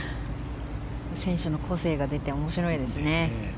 選手の個性が出て面白いですね。